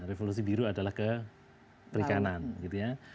revolusi biru adalah ke perikanan gitu ya